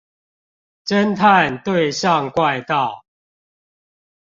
偵探對上怪盜